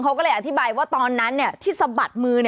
เขาก็เลยอธิบายว่าตอนนั้นที่สะบัดมือ